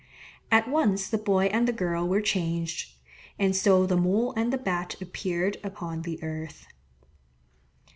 At once the boy and the girl were changed. And so the Mole and the Bat appeared upon the earth.